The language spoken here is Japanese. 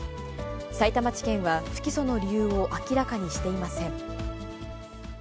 さいたま地検は、不起訴の理由を明らかにしていません。